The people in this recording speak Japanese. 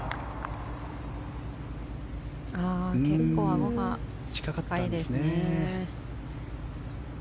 結構アゴが高いですね。